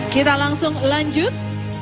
kita langsung lanjut